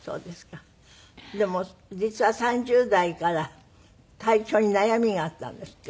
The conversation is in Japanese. でも実は３０代から体調に悩みがあったんですって？